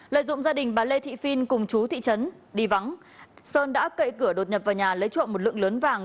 lợi dụng gia đình bà lê thị phiên cùng chú thị trấn đi vắng sơn đã cậy cửa đột nhập vào nhà lấy trộm một lượng lớn vàng